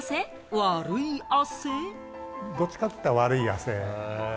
悪い汗？